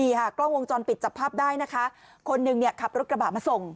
นี่ค่ะกล้องวงจรปิดจับภาพได้นะคะคนหนึ่งเนี่ยขับรถกระบะมาส่ง